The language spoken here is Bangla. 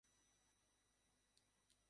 অনেক উচ্চতায় থাকায় এখানে কোনো গাছ জন্মায় না।